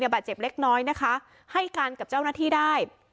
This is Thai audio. บาดเจ็บเล็กน้อยนะคะให้การกับเจ้าหน้าที่ได้